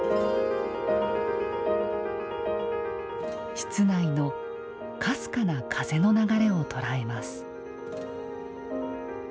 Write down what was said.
室内のかすかな風の流れを捉えます。